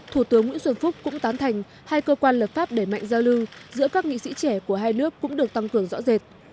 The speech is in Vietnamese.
thủ tướng nguyễn xuân phúc cũng tán thành hai cơ quan lập pháp để mạnh giao lưu giữa các nghị sĩ trẻ của hai nước cũng được tăng cường rõ rệt